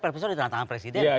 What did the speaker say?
purpose itu di tangan presiden